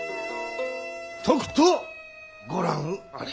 とくとご覧あれ。